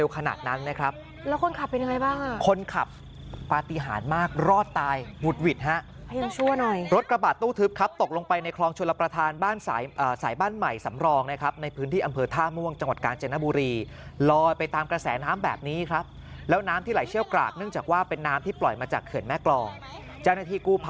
เขาใช้เชื้อไปคล้องท้ายรถ